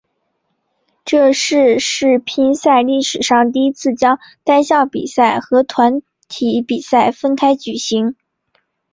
这是世乒赛历史上第一次将单项比赛和团体比赛分开举行。